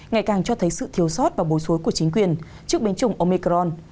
ngày càng cho thấy sự thiếu sót và bối xối của chính quyền trước biến chủng omicron